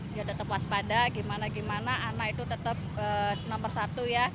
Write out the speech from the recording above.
biar tetap waspada gimana gimana anak itu tetap nomor satu ya